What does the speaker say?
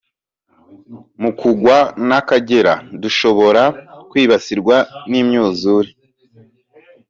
Mukungwa n’Akagera dushobora kwibasirwa n’imyuzure